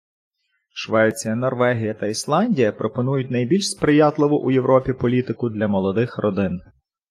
Швеція, Норвегія та Ісландія пропонують найбільш сприятливу у Європі політику для молодих родин.